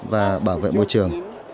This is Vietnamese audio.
và bảo vệ môi trường